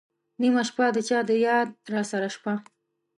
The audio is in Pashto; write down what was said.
نېمه شپه ، د چا د یاد راسره شپه